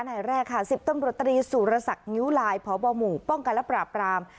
นายแรกค่ะ๑๐ตำรวจตรีสุรสักงิ้วลายพบหมู่ป้องกันและปราบราม